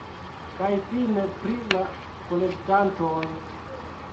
Kaj fine pri la kolektantoj.